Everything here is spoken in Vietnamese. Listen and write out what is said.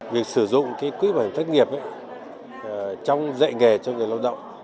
việc sử dụng quỹ bảo hiểm thất nghiệp trong dạy nghề cho người lao động